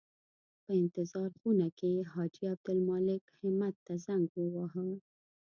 په انتظار خونه کې حاجي عبدالمالک همت ته زنګ وواهه.